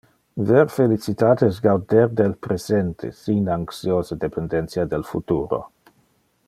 Ver felicitate es gauder del presente, sin anxiose dependentia del futur.